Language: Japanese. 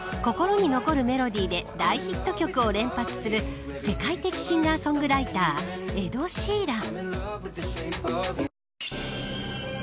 共感性の高い歌詞と心に残るメロディーで大ヒット曲を連発する世界的シンガーソングライターエド・シーラン。